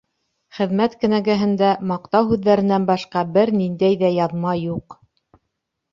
Хеҙмәт кенәгәһендә, маҡтау һүҙҙәренән башҡа, бер ниндәй ҙә яҙма юҡ.